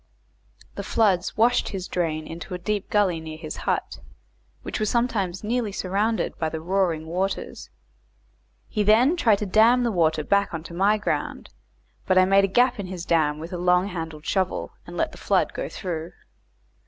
The floods washed his drain into a deep gully near his hut, which was sometimes nearly surrounded with the roaring waters. He then tried to dam the water back on to my ground, but I made a gap in his dam with a long handled shovel, and let the flood go through.